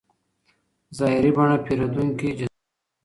ظاهري بڼه پیرودونکی جذبوي.